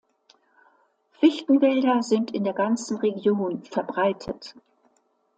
Fichtenwälder sind in der ganzen Region verbreitet.